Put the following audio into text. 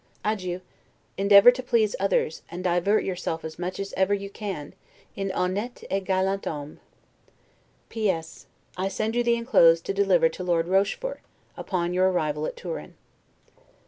Adieu. Endeavor to please others, and divert yourself as much as ever you can, in 'honnete et galant homme'. P. S. I send you the inclosed to deliver to Lord Rochford, upon your arrival at Turin.